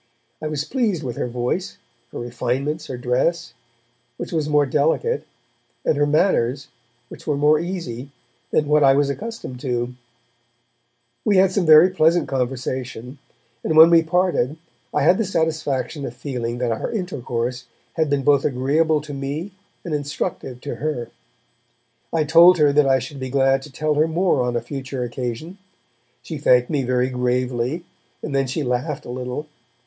I was pleased with her voice, her refinements, her dress, which was more delicate, and her manners, which were more easy, than what I was accustomed to, We had some very pleasant conversation, and when we parted I had the satisfaction of feeling that our intercourse had been both agreeable to me and instructive to her. I told her that I should be glad to tell her more on a future occasion; she thanked me very gravely, and then she laughed a little.